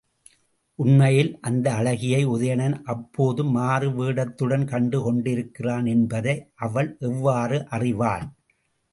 உண்மையில் அந்த அழகியை உதயணன் அப்போதே மாறுவேடத்துடன் கண்டு கொண்டிருக்கிறான் என்பதை அவள் எவ்வாறு அறிவாள்?